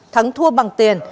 thắng thua bằng tiền